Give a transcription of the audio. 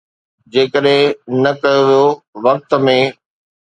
جيڪڏهن نه ڪيو ويو، وقت ۾